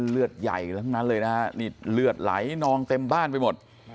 เลือดใหญ่ทั้งนั้นเลยนะฮะนี่เลือดไหลนองเต็มบ้านไปหมด